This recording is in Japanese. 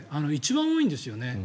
一番多いんですよね。